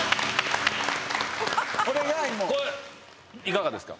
これいかがですか？